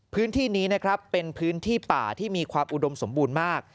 พื้นที่นี้นะครับเป็นพื้นที่ป่าที่มีความอุดมสมบูรณ์มาก